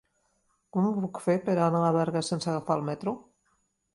Com ho puc fer per anar a Berga sense agafar el metro?